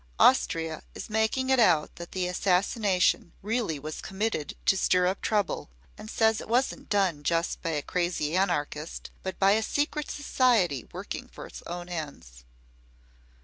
Austria is making it out that the assassination really was committed to stir up trouble, and says it wasn't done just by a crazy anarchist, but by a secret society working for its own ends.